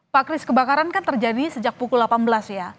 pak kris kebakaran kan terjadi sejak pukul delapan belas ya